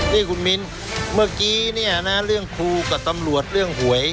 นี่คุณมิ้นเมื่อกี้เนี่ยนะเรื่องครูกับตำรวจเรื่องหวย